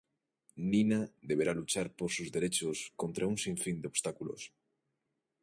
Nina deberá luchar por sus derechos contra un sinfín de obstáculos.